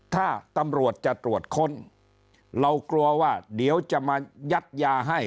ถ้าตำรวจจะตรวจค้นเรากลัวว่าเดี๋ยวจะมายัดยาให้